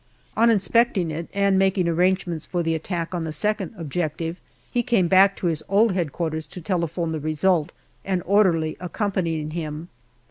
On inspecting it and making arrangements for the attack on the second objective, he came back to his old H.Q. to telephone the result, an orderly accompanying him.